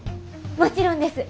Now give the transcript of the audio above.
もちろんです。